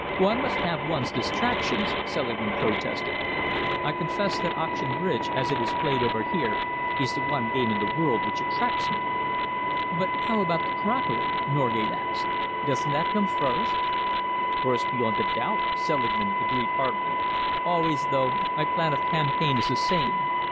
"One must have one's distractions," Selingman protested. "I confess that auction bridge, as it is played over here, is the one game in the world which attracts me." "But how about the crockery?" Norgate asked. "Doesn't that come first?" "First, beyond a doubt," Selingman agreed heartily. "Always, though, my plan of campaign is the same.